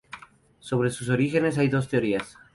Sobre sus orígenes hay dos teorías.